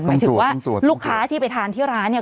หมายถึงว่าต้องตรวจต้องตรวจลูกค้าที่ไปทานที่ร้านเนี้ย